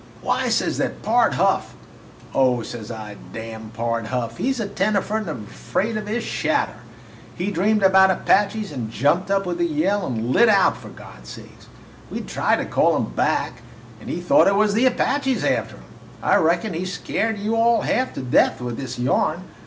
"'Why,' says they, 'Pard Huff ' "'Oh,' says I, 'damn Pard Huff! He 's a tenderfoot and afraid of his shadder! He dreamed about Apaches and jumped up with a yell and lit out for God's sake. We tried to call him back, and he thought it was the Apaches after him. I reckon he 's scared you all half to death with his yarn.